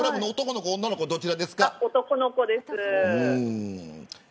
男の子です。